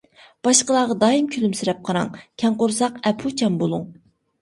باشقىلارغا دائىم كۈلۈمسىرەپ قاراڭ، كەڭ قورساق ئەپۇچان بۇلۇڭ.